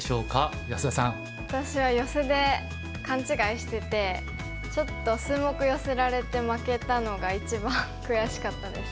私はヨセで勘違いしててちょっと数目ヨセられて負けたのが一番悔しかったです。